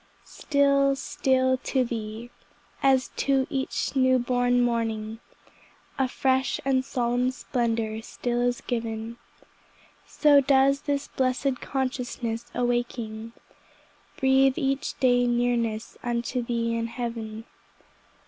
Still, still to Thee, as to each new born morning, A fresh and solemn splendor still is giv'n, So does this blessed consciousness awaking, Breathe each day nearness unto Thee and heav'n.